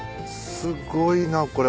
すごいなこれ。